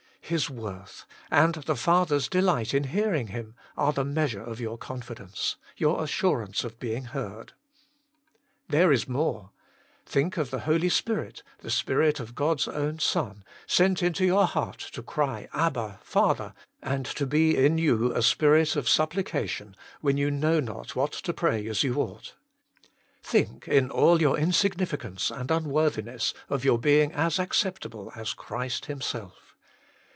His worth, and the Father s delight in hearing Him, are the measure of your confidence, your assurance of being heard. There is more. Think of the Holy Spirit, the Spirit of MY GOD WILL HEAR MB 147 God s own Son, sent into your heart to cry, Abba, Father, and to be in you a Spirit of Supplication, when you know not what to pray as you ought. Think, in all your insignificance and unworthiness, of your being as acceptable as Christ Himself.